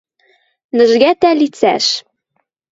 Нӹжгӓтӓ лицӓш...